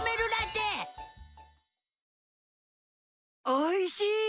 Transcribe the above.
おいしい！